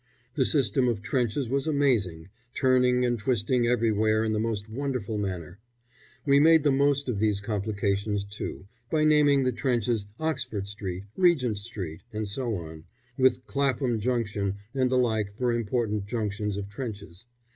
The system of trenches was amazing, turning and twisting everywhere in the most wonderful manner. We made the most of these complications, too, by naming the trenches Oxford Street, Regent Street, and so on, with Clapham Junction and the like for important junctions of trenches.